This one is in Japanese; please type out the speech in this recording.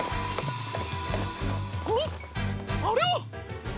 あっあれは！